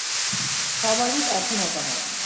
সবারই একই মতামত।